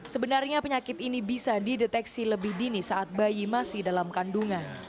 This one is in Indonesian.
sebenarnya penyakit ini bisa dideteksi lebih dini saat bayi masih dalam kandungan